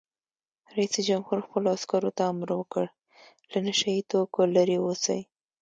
رئیس جمهور خپلو عسکرو ته امر وکړ؛ له نشه یي توکو لرې اوسئ!